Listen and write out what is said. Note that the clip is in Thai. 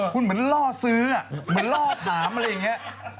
คุณเหมือนล่อซื้อเหมือนล่อถามอะไรอย่างนี้